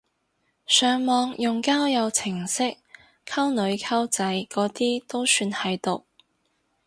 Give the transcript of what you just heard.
上網用交友程式溝女溝仔嗰啲都算係毒！